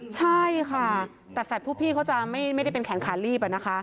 ใช่ค่ะแต่แฝดผู้พี่เขาจะไม่ได้เป็นแขนขาลีบ